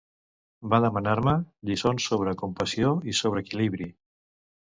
Ve a demanar-me lliçons sobre compassió i sobre equilibri.